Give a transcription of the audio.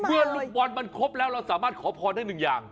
ลูกบอลมันครบแล้วเราสามารถขอพรได้หนึ่งอย่าง